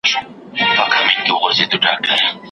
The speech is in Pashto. او « د سیند پرغاړه»